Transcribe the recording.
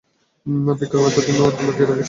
বিক্রম, এতদিন ওকে লুকিয়ে রেখেছিলে কেন?